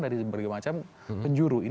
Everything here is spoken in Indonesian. dari berbagai macam penjuru